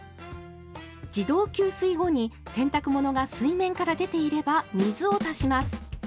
自動給水後に洗濯物が水面から出ていれば水を足します。